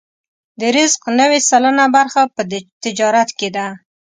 د رزق نوې سلنه برخه په تجارت کې ده.